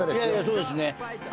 そうですね。